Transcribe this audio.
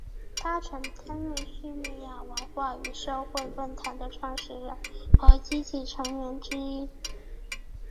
他曾担任叙利亚文化与社会论坛的创始人和积极成员之一。